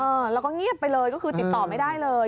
แล้วก็เงียบไปเลยก็คือติดต่อไม่ได้เลย